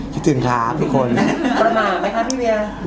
คิดถึงครับทุกคนประมาทไหมครับพี่เวีย